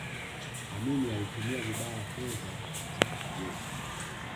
amin alitumia vibaya fedha za jeshi